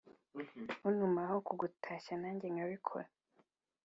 Untumaho kugutashya nanjye nkabikora